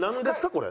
これ。